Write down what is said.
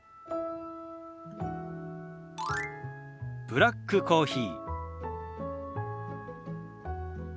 「ブラックコーヒー」。